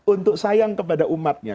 untuk sayang kepada umatnya